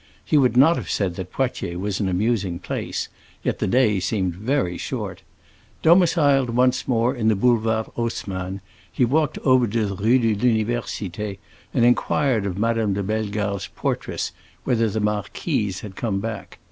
He would not have said that Poitiers was an amusing place; yet the day seemed very short. Domiciled once more in the Boulevard Haussmann, he walked over to the Rue de l'Université and inquired of Madame de Bellegarde's portress whether the marquise had come back.